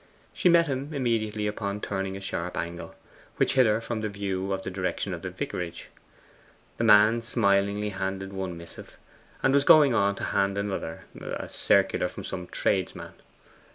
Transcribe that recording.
She met him immediately upon turning a sharp angle, which hid her from view in the direction of the vicarage. The man smilingly handed one missive, and was going on to hand another, a circular from some tradesman.